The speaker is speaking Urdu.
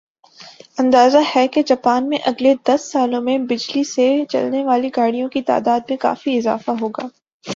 اندازہ ھے کہ جاپان میں اگلے دس سالوں میں بجلی سے چلنے والی گاڑیوں کی تعداد میں کافی اضافہ ہو گا